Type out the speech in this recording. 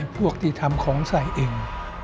พวกที่ทำของใส่เอง